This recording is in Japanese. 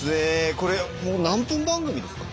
これ何分番組ですか？